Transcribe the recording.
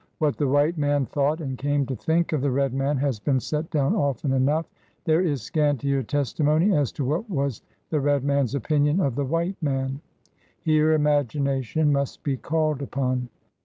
What the white man thought and came to think of the red man has been set down often enough; there is scantier testimony as to what was the red man's opin ion of the white man. Here imagination must be called upon.